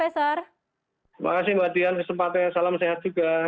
terima kasih mbak dian kesempatan salam sehat juga